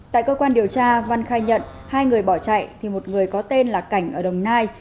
tại cơ quan điều tra văn khai nhận hai người bỏ chạy thì một người có tên là cảnh ở đồng nai